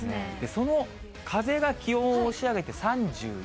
その風が気温を押し上げて３４度。